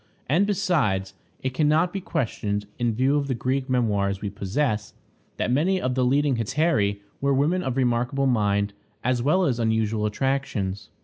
And besides, it can not be questioned, in view of the Greek memoirs we possess, that many of the leading hetairæ were women of remarkable mind, as well as unusual attractions.